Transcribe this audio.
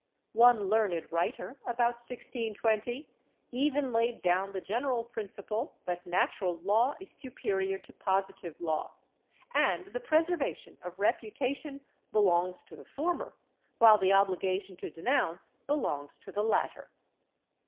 One learned writer, about 1620, even laid down the general principle that natural law is superior to positive law, and the preservation of reputation belongs to the former, while the obligation to denounce belongs to the latter.